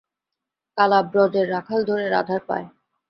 কালা ব্রজের রাখাল ধরে রাধার পায়।